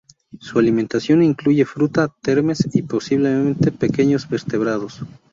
Su alimentación incluye fruta, termes, y posiblemente pequeños vertebrados.